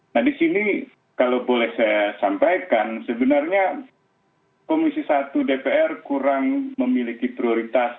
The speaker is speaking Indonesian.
nah di sini kalau boleh saya sampaikan sebenarnya komisi satu dpr kurang memiliki prioritas